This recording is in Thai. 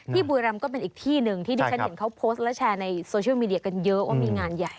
บุรีรำก็เป็นอีกที่หนึ่งที่ที่ฉันเห็นเขาโพสต์และแชร์ในโซเชียลมีเดียกันเยอะว่ามีงานใหญ่